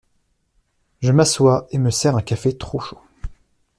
Je m’assois et me sers un café trop chaud.